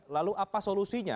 lalu apa solusinya